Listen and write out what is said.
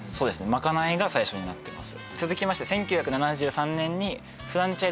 まかないが最初になってます